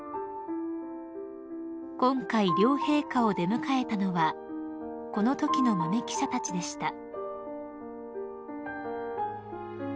［今回両陛下を出迎えたのはこのときの豆記者たちでした］